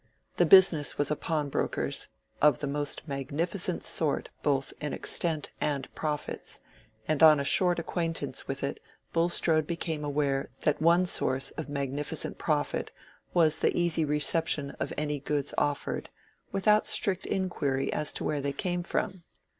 The business was a pawnbroker's, of the most magnificent sort both in extent and profits; and on a short acquaintance with it Bulstrode became aware that one source of magnificent profit was the easy reception of any goods offered, without strict inquiry as to where they came from.